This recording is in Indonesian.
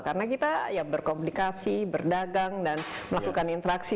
karena kita berkomunikasi berdagang dan melakukan interaksi